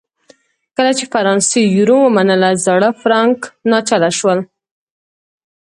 کله چې فرانسې یورو ومنله زاړه فرانک ناچله شول.